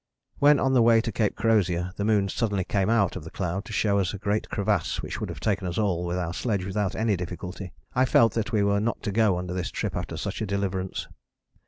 When on the way to Cape Crozier the moon suddenly came out of the cloud to show us a great crevasse which would have taken us all with our sledge without any difficulty, I felt that we were not to go under this trip after such a deliverance.